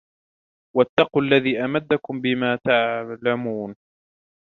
واتقوا الذي أمدكم بما تعلمون